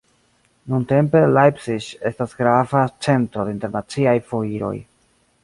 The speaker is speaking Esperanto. Nuntempe Leipzig estas grava centro de internaciaj foiroj.